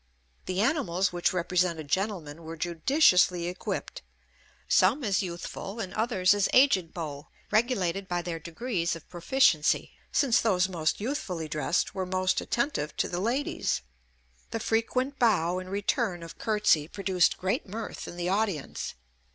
The animals which represented gentlemen were judiciously equipped; some as youthful and others as aged beaux, regulated by their degrees of proficiency, since those most youthfully dressed were most attentive to the ladies. The frequent bow and return of curtsey produced great mirth in the audience.